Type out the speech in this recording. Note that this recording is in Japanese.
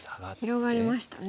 広がりましたね。